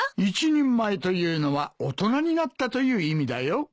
一人前というのは大人になったという意味だよ。